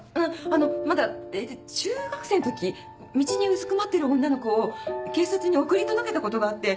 まだ中学生の時道にうずくまってる女の子を警察に送り届けたことがあって。